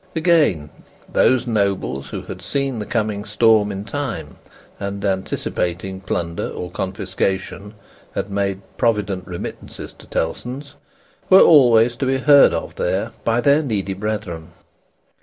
Again: those nobles who had seen the coming storm in time, and anticipating plunder or confiscation, had made provident remittances to Tellson's, were always to be heard of there by their needy brethren.